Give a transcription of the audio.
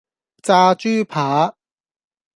炸豬扒